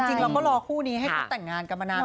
จริงเราก็รอคู่นี้ให้เขาแต่งงานกันมานาน